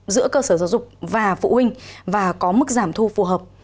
giữa cơ sở giáo dục và phụ huynh và có mức giảm thu phù hợp